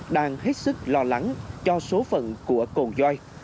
đang hết sức lo lắng cho số phận của cồn doi